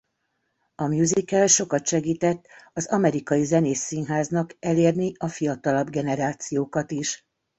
A musical sokat segített az amerikai zenés színháznak elérni a fiatalabb generációkat is.